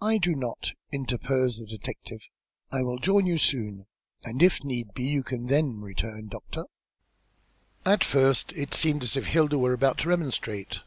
"I do not," interposed the detective. "I will join you soon, and if need be, you can then return, doctor." At first it seemed as if Hilda were about to remonstrate.